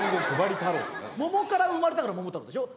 桃から生まれたから桃太郎でしょ？